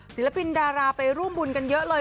ศิลปินดาราไปร่วมบุญกันเยอะเลย